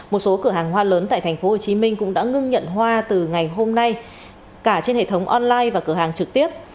một số cửa hàng hoa lớn tại tp hcm cũng đã ngưng nhận hoa từ ngày hôm nay cả trên hệ thống online và cửa hàng trực tiếp